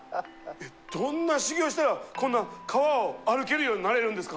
えどんな修行したらこんな川を歩けるようになれるんですか？